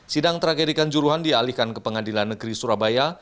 sidang tragedi kanjuruhan dialihkan ke pengadilan negeri surabaya